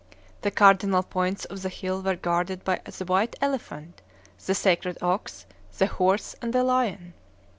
The cardinal points of the hill were guarded by the white elephant, the sacred ox, the horse, and the lion.